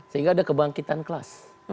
sehingga ada kebangkitan kelas